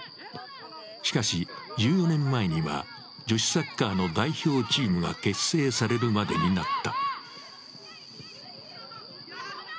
しかし、１４年前には女子サッカーの代表チームが結成されるまでになった。